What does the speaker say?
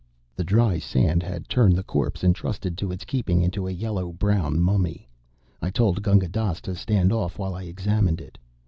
The dry sand had turned the corpse entrusted to its keeping into a yellow brown mummy. I told Gunga Dass to stand off while I examined it.